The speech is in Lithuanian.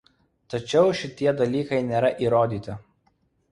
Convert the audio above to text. Tačiau šitie dalykai nėra įrodyti.